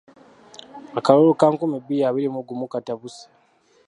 Akalulu ka nkumi bbiri abiri mu gumu katabuse.